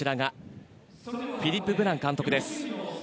フィリップ・ブラン監督です。